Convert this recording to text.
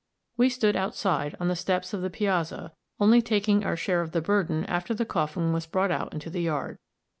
We stood outside, on the steps of the piazza, only taking our share of the burden after the coffin was brought out into the yard.